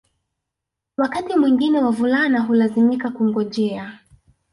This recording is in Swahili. Wakati mwingine wavulana hulazimika kungojea